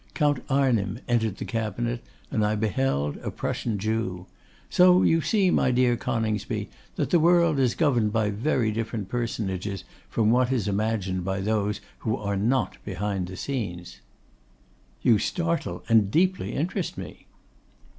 Count Arnim entered the cabinet, and I beheld a Prussian Jew. So you see, my dear Coningsby, that the world is governed by very different personages from what is imagined by those who are not behind the scenes.' 'You startle, and deeply interest me.